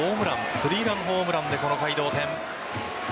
３ランホームランでこの回同点。